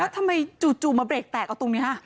แล้วทำไมจู่มาเบรกแตกตรงนี้ฮะ